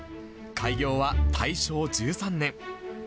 開業は大正１３年。